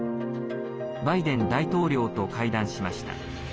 バイデン大統領と会談しました。